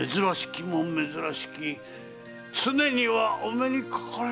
きも珍しき常にはお目にかかれぬお方にな。